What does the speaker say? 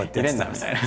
みたいな。